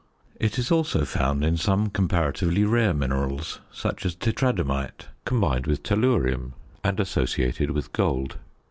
It is also found in some comparatively rare minerals, such as tetradymite, combined with tellurium, and associated with gold.